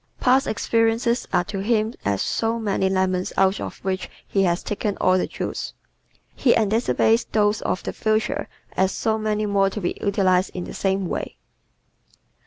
Past experiences are to him as so many lemons out of which he has taken all the juice. He anticipates those of the future as so many more to be utilized in the same way.